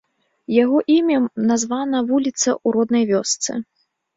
Яго імем названа вуліца ў роднай вёсцы.